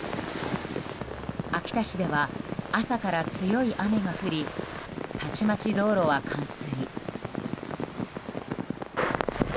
秋田市では朝から強い雨が降りたちまち道路は冠水。